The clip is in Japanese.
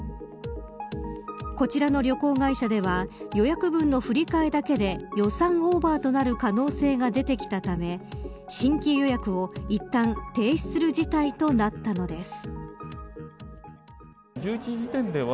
こちらの旅行会社では予約分の振り替えだけで予算オーバーとなる可能性が出てきたため新規予約をいったん停止する事態となったのです。